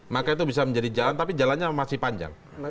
maka itu bisa menjadi jalan tapi jalannya masih panjang